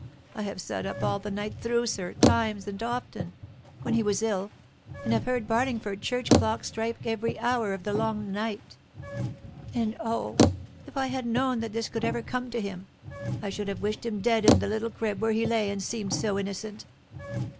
I have sat up all the night through, sir, times and often, when he was ill, and have heard Barlingford church clock strike every hour of the long night; and O, if I had known that this could ever come to him, I should have wished him dead in the little crib where he lay and seemed so innocent.